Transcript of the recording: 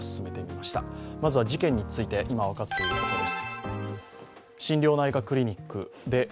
まずは事件について、今分かっていることです。